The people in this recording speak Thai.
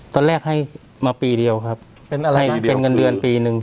ตอนแรกให้มาปีเดียวครับเป็นอะไรเป็นเงินเดือนปีหนึ่ง